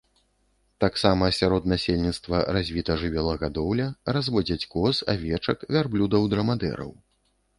Таксама сярод насельніцтва развіта жывёлагадоўля, разводзяць коз, авечак, вярблюдаў-драмадэраў.